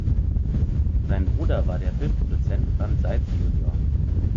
Sein Bruder war der Filmproduzent Franz Seitz junior.